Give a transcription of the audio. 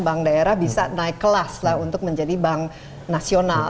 bisa naik kelas lah untuk menjadi bank nasional